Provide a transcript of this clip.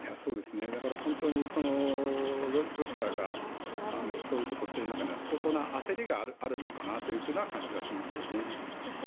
だから本当にロシアがそういうことをする中には相当な焦りがあるのかなという感じはしますよね。